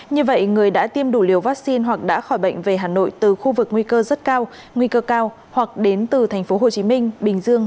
như vậy người đã tiêm đủ liều vaccine hoặc đã khỏi bệnh về hà nội từ khu vực nguy cơ rất cao nguy cơ cao hoặc đến từ thành phố hồ chí minh bình dương